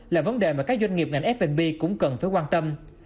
là vấn đề mà các doanh nghiệp ngành f b cũng cần phải quan tâm